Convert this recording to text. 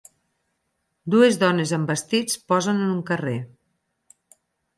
Dues dones amb vestits posen en un carrer.